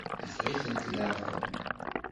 Yeffeɣ-iten leɛqel.